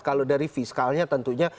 kalau dari fiskalnya tentunya